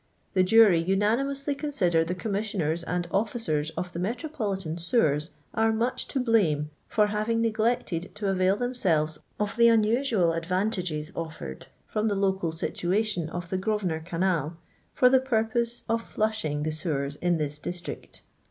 The jnxy I unanimously consider the commissioneri and officers I of the Metropolitan Sewers are much to blame for , having neglected to arail themselves of the nnnsnal advantages offered, from the local situation of tbs i Grosveni)r C!inal, for the purpose of flushing tkc tfcwers in this district."